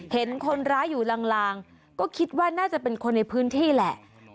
เห็นคนร้ายอยู่ลางก็คิดว่าน่าจะเป็นคนในพื้นที่แหละ